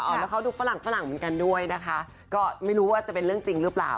แล้วเขาดูฝรั่งฝรั่งเหมือนกันด้วยนะคะก็ไม่รู้ว่าจะเป็นเรื่องจริงหรือเปล่า